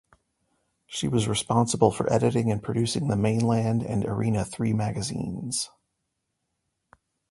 She was responsible for editing and producing the Mainland and Arena Three magazines.